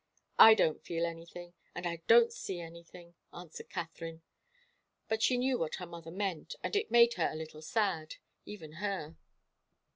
"I don't feel anything and I don't see anything," answered Katharine. But she knew what her mother meant, and it made her a little sad even her.